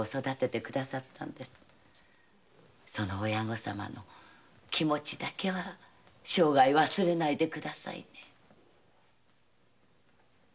その親御様の気持ちだけは生涯忘れないでくださいね。